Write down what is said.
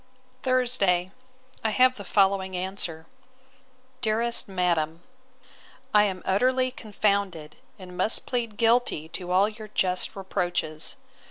Thursday. I have the following answer: 'DEAREST MADAM, 'I am utterly confounded, and must plead guilty to all your just reproaches.